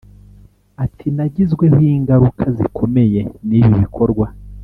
Ati “Nagizweho ingaruka zikomeye n’ibi bikorwa